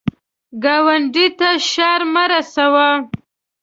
ګاونډي ته شر مه رسوه